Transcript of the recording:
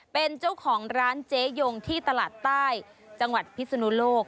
เป็นเจ้าของร้านเจ๊ยงที่ตลาดใต้จังหวัดพิศนุโลก